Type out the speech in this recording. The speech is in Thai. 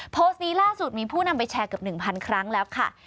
โพสต์นี้ล่าสุดมีผู้นำไปแชร์เกือบ๑๐๐ครั้งแล้วค่ะ